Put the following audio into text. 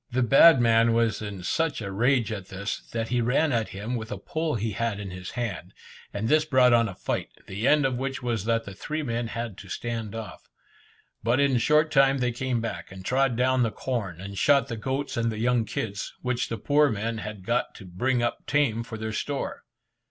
The bad man was in such a rage at this, that he ran at him with a pole he had in his hand, and this brought on a fight, the end of which was that the three men had to stand off. But in a short time they came back, and trod down the corn, and shot the goats and young kids, which the poor men had got to bring up tame for their store.